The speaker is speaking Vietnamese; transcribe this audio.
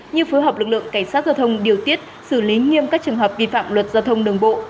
như phối hợp lực lượng cảnh sát giao thông điều tiết xử lý nghiêm các trường hợp vi phạm luật giao thông đường bộ